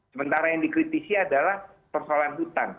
sementara yang dikritisi adalah persoalan hutan